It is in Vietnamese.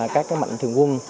các mạnh thường quân